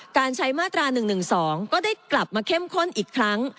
การใช้มาตรา๑๑๒ก็ได้กลับมาเข้มข้นอีกครั้ง